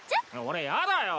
俺やだよ！